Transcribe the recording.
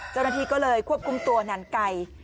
เจ้าหน้าที่ก็เลยควบคุมตัวหนันไก่